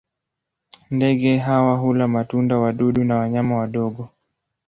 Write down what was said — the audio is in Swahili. Ndege hawa hula matunda, wadudu na wanyama wadogo.